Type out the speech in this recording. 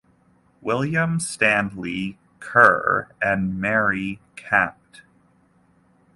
William Standley Cr) and Mary (Capt.